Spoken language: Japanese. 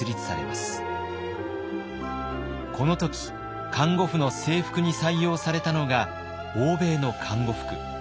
この時看護婦の制服に採用されたのが欧米の看護服。